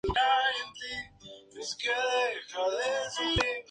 La segunda parte evoca un sacrificio, se deriva de una música misteriosa.